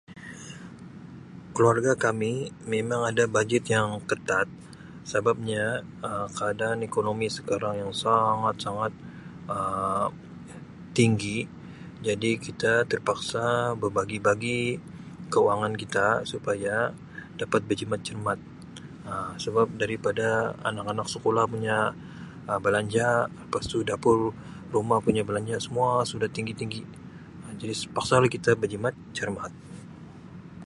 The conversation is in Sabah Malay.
Keluarga kami memang ada bajet yang ketat sebabnya Um keadaan ekonomi sekarang yang sangat-sangat Um tinggi jadi kita terpaksa berbagi-bagi kewangan kita supaya dapat berjimat cermat Um sebab daripada anak-anak sekolah punya Um belanja lepas tu dapur rumah punya belanja semua sudah tinggi-tinggi jadi paksa lah kita berjimat cermat.